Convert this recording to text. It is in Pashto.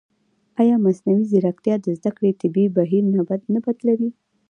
ایا مصنوعي ځیرکتیا د زده کړې طبیعي بهیر نه بدلوي؟